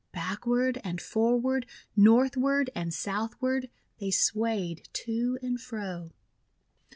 Backward and forward, northward and south ward, they swayed to and fro.